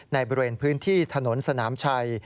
บริเวณพื้นที่ถนนสนามชัย